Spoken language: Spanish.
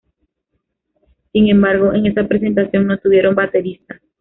Sin embargo, en esa presentación no tuvieron baterista.